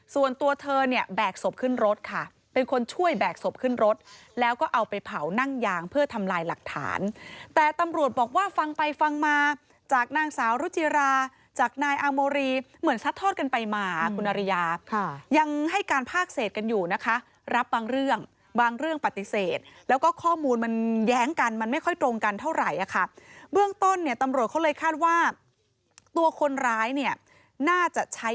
ส่วนตัวเธอเนี่ยแบกศพขึ้นรถค่ะเป็นคนช่วยแบกศพขึ้นรถแล้วก็เอาไปเผานั่งยางเพื่อทำลายหลักฐานแต่ตำรวจบอกว่าฟังไปฟังมาจากนางสาวรุจิราจากนายอามรีเหมือนซัดทอดกันไปมาคุณอริยาค่ะยังให้การภาคเศษกันอยู่นะคะรับบางเรื่องบางเรื่องปฏิเสธแล้วก็ข้อมูลมันแย้งกันมันไม่ค่อยตรงกันเท่า